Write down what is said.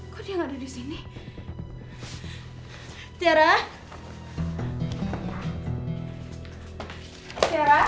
kok dia gak ada disini tiara tiara